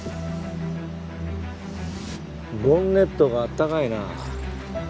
ボンネットがあったかいな。